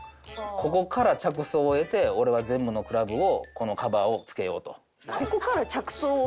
ここから着想を得て俺は全部のクラブをこのカバーをつけようと。